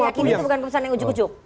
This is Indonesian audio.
meyakini itu bukan keputusan yang ujuk ujuk